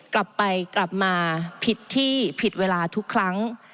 กลับไปกลับมาผิดที่ผิดเวลาทุกครั้ง